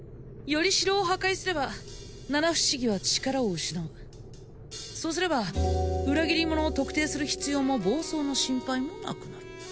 依代を破壊すれば七不思議は力を失うそうすれば裏切り者を特定する必要も暴走の心配もなくなる